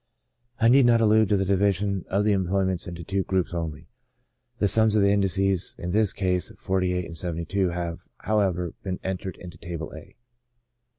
I need not allude to the division of the employments into two groups only ; the sums of the indices in this case, 48 and 72, have, however, been entered into table A.